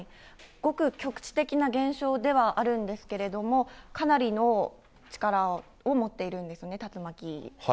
ごく局地的な現象ではあるんですけれども、かなりの力を持っているんですね、竜巻。